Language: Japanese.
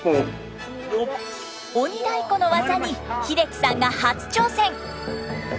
鬼太鼓の技に英樹さんが初挑戦！